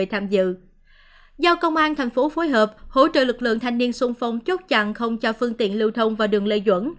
hỗ trợ lực lượng thanh niên xuân phong chốt chặn không cho phương tiện lưu thông vào đường lê duẩn